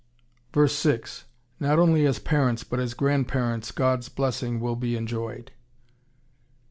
v. 6. Not only as parents but as grandparents God's blessing will be enjoyed.